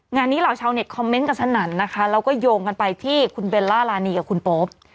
งานนี้เหล่าชาวเน็ตคอมเมนต์กันสนั่นนะคะแล้วก็โยงกันไปที่คุณเบลล่ารานีกับคุณโป๊ป